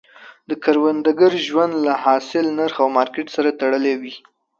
د کروندګر ژوند له حاصل، نرخ او مارکیټ سره تړلی وي.